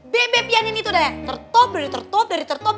bebe pianin itu dah tertop dari tertop dari tertop